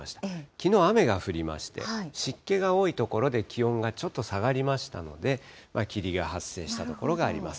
きのう、雨が降りまして、湿気が多い所で気温がちょっと下がりましたので、霧が発生した所があります。